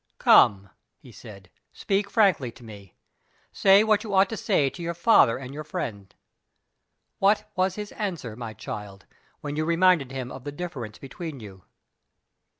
"Come!" he said; "speak frankly to me. Say what you ought to say to your father and your friend. What was his answer, my child, when you reminded him of the difference between you?"